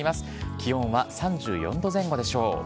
気温は３４度前後でしょう。